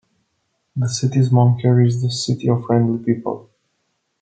The city's moniker is "The City of Friendly People".